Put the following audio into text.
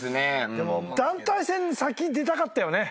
でも団体戦先出たかったよね。